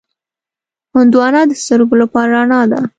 هندوانه د سترګو لپاره رڼا ده.